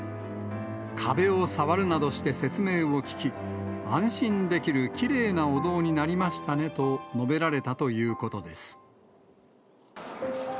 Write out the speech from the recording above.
壁を触るなどして説明を聞き、安心できるきれいなお堂になりましたねと、述べられたということです。